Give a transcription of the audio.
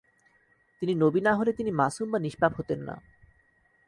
তিনি নবী না হলে তিনি মাসুম বা নিষ্পাপ হতেন না।